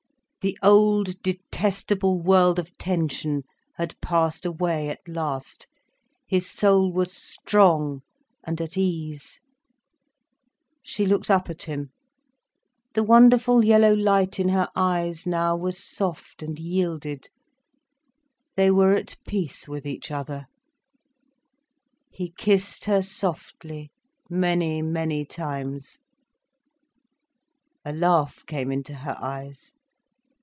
The old, detestable world of tension had passed away at last, his soul was strong and at ease. She looked up at him. The wonderful yellow light in her eyes now was soft and yielded, they were at peace with each other. He kissed her, softly, many, many times. A laugh came into her eyes.